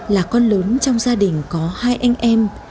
là con lớn trong gia đình có hai anh em